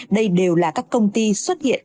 đây đều là các công ty xuất hiện